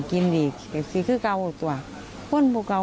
เธอง่ายอนเมื่อก่อนนทุกคน